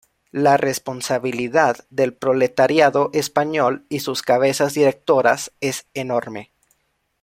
La responsabilidad del proletariado español y sus cabezas directoras es enorme.